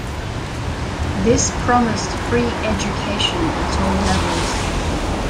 This promised free education at all levels.